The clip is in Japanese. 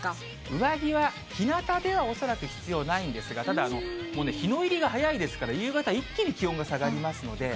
上着は日向では恐らく必要ないんですが、ただ、もうね、日の入りが早いですから、夕方一気に気温が下がりますので。